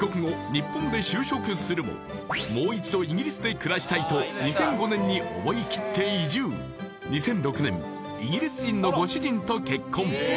日本で就職するももう一度イギリスで暮らしたいと思いきって２００６年イギリス人のご主人と結婚